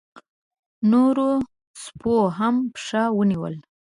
نورو سپيو هم پښه ونيوله.